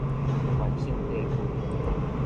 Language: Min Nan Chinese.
關聖帝君